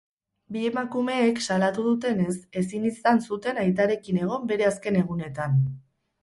Bi emakumeek salatu dutenez, ezin izan zuten aitarekin egon bere azken egunetan.